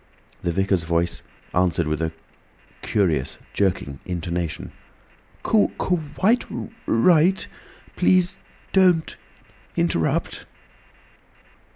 The Vicar's voice answered with a curious jerking intonation: "Quite ri right. Please don't—interrupt."